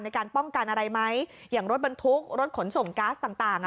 ในการป้องกันอะไรไหมอย่างรถบรรทุกรถขนส่งก๊าซต่างต่างอ่ะ